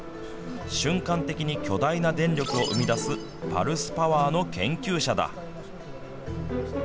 瞬間的に巨大な電力を生み出すパルスパワーの研究者だ。